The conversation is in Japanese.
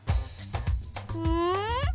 うん？